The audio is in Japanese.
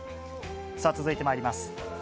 さあ、続いてまいります。